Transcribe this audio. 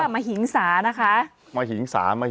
มหิงสานะคะมหิงสามหิงสา